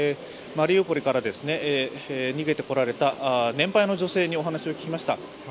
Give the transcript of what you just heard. マリウポリから逃げてこられた年配の女性にお話を伺いました。